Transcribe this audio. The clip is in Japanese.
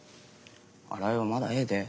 新井はまだええで。